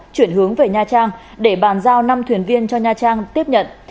chuyển hướng về nha trang để bàn giao năm thuyền viên cho nha trang tiếp nhận